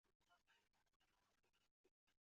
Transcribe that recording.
密毛岩蕨为岩蕨科岩蕨属下的一个种。